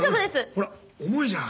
ほら重いじゃん。